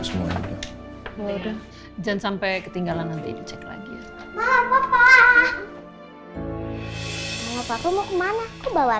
semua udah udah jangan sampai ketinggalan nanti dicek lagi papa papa mau kemana bawa